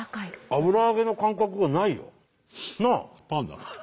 油揚げの感覚がないよ。なあ？